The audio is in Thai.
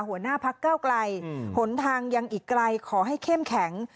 หัวหน้าพักเก้าไกลหนทางยังอีกไกลขอให้เข้มแข็ง